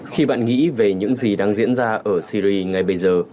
khi bạn nghĩ về những gì đang diễn ra ở syri ngay bây giờ